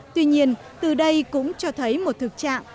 tuy nhiên từ đây cũng cho thấy một thực trạng